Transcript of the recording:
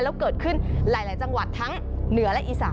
แล้วเกิดขึ้นหลายจังหวัดทั้งเหนือและอีสาน